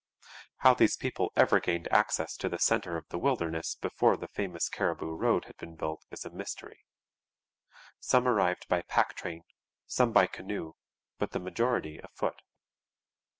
How these people ever gained access to the centre of the wilderness before the famous Cariboo Road had been built is a mystery. Some arrived by pack train, some by canoe, but the majority afoot.